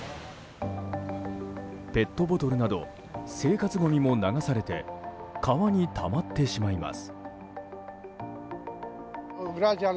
ペットボトルなど生活ごみも流されて川にたまってしまいます。